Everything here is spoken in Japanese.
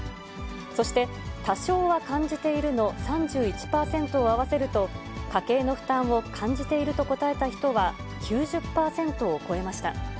そして、多少は感じているの３１％を合わせると、家計の負担を感じていると答えた人は、９０％を超えました。